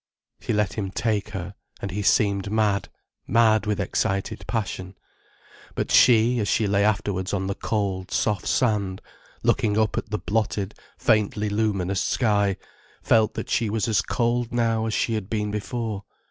[She let him take her, and he seemed mad, mad with excited passion. But she, as she lay afterwards on the cold, soft sand, looking up at the blotted, faintly luminous sky, felt that she was as cold now as she had been before.